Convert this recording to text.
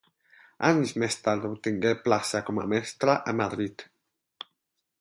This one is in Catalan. Anys més tard obtingué plaça com a mestra a Madrid.